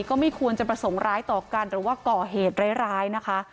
ก็ไม่ควรจะประสงค์ร้ายต่อกันหรือว่าก่อเหตุร้ายนะคะ